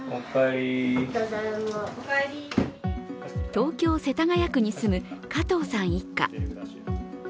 東京・世田谷区に住む加藤さん一家。